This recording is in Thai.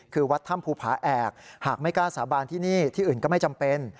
คือวัดถ้ำภูผาแอกหากไม่กล้าสาบานที่นี่ที่อื่นก็ไม่จำเป็น